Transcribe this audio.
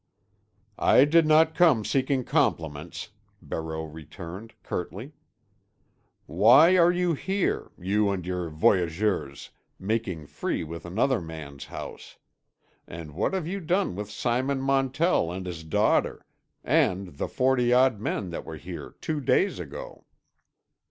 "I did not come seeking compliments," Barreau returned curtly. "Why are you here—you and your voyageurs, making free with another man's house? And what have you done with Simon Montell and his daughter? and the forty odd men that were here two days ago?"